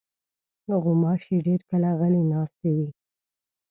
غوماشې ډېر کله غلې ناستې وي.